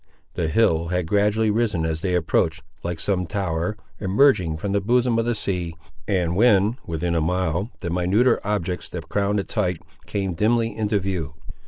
The hill had gradually risen as they approached, like some tower emerging from the bosom of the sea, and when within a mile, the minuter objects that crowned its height came dimly into view.